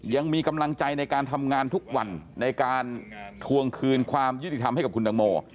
ยังมีกำลังใจในการทำงานทุกวันในการทวงคืนความยุติธรรมให้กับคุณตังโม